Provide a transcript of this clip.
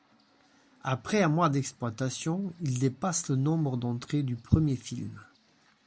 Après un mois d'exploitation, il dépasse le nombre d'entrées du premier film.